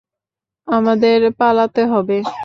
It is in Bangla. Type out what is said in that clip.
আমাদের পালাতে হবে।